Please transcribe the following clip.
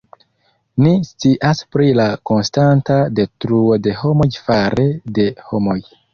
Ni scias pri la konstanta detruo de homoj fare de homoj.